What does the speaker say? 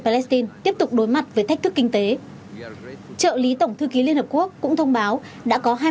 palestine tiếp tục đối mặt với thách thức kinh tế trợ lý tổng thư ký liên hợp quốc cũng thông báo đã có